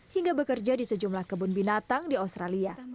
hingga bekerja di sejumlah kebun binatang di australia